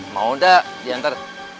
mau udah diantar